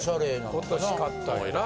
今年買ったんやな。